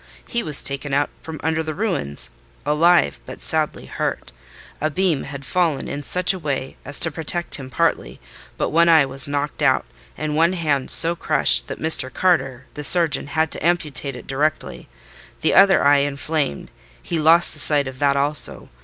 He was taken out from under the ruins, alive, but sadly hurt: a beam had fallen in such a way as to protect him partly; but one eye was knocked out, and one hand so crushed that Mr. Carter, the surgeon, had to amputate it directly. The other eye inflamed: he lost the sight of that also.